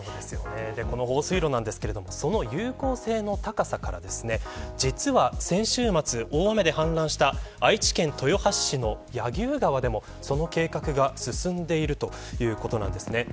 この放水路ですがその有効性の高さから実は先週末、大雨で氾濫した愛知県豊橋市の柳生川でも、その計画が進んでいるということです。